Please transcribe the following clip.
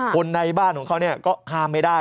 คนในบ้านของเขาก็ห้ามไม่ได้